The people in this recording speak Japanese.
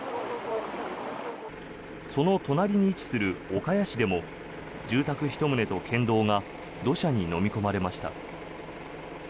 その隣に位置する岡谷市でも住宅１棟と県道が土砂にのみ込まれました。